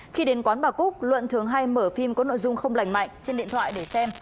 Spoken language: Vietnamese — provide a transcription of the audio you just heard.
khi đến quán bà cúc luận thường hay mở phim có nội dung không lành mạnh trên điện thoại để xem